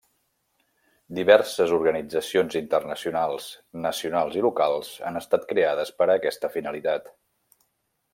Diverses organitzacions internacionals, nacionals i locals han estat creades per a aquesta finalitat.